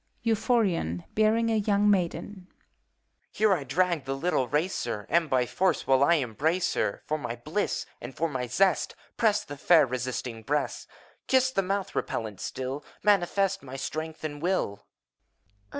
EUPHORiON (bearing a young Maidek). Here I drag the little racer, And by force will I embrace her; For my bliss and for my zest Press the fair, resisting breast. Kiss the mouth, repellent still, — Manifest my strength and will.